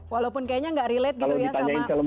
walaupun kayaknya gak relate gitu ya sama western film